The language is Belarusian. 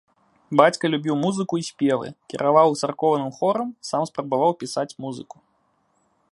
Бацька любіў музыку і спевы, кіраваў царкоўным хорам, сам спрабаваў пісаць музыку.